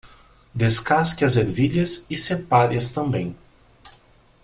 Descasque as ervilhas e separe-as também.